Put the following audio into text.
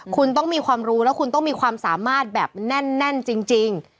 คุณต้องมีความรู้แล้วคุณต้องมีความสามารถแบบแน่นจริง